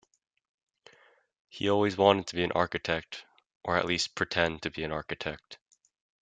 He always wanted to be an architect or least "pretend to be an architect".